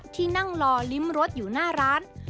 ที่นั่งรอลิ้มรถอยู่หน้าร้าน